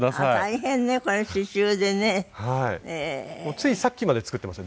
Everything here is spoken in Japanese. ついさっきまで作っていました。